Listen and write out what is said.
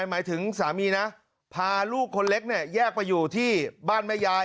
หมายถึงสามีนะพาลูกคนเล็กเนี่ยแยกไปอยู่ที่บ้านแม่ยาย